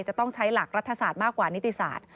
จะต้องใช้หลักรัฐศาสตร์มากกว่านิติศาสตร์